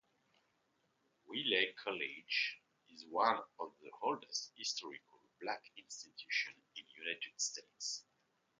Wiley College is one of the oldest historically black institutions in the United States.